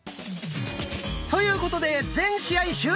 ということで全試合終了！